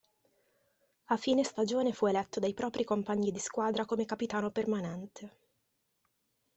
A fine stagione fu eletto dai propri compagni di squadra come capitano permanente.